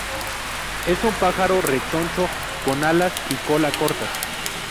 Es un pájaro rechoncho con alas y cola cortas.